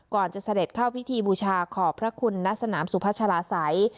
จะเสด็จเข้าพิธีบูชาขอบพระคุณณสนามสุพัชลาศัย